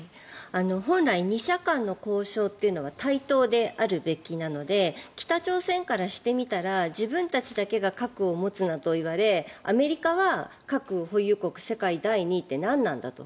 本来２者間の交渉というのは対等であるべきなので北朝鮮からしてみたら自分たちだけが核を持つなと言われアメリカは核保有国世界第２位って何なんだと。